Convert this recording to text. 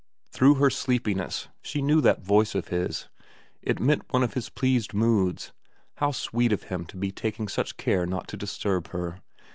Through her sleepiness she knew that voice of his ; it meant one of his pleased moods. How sweet of him to be taking such care not to disturb her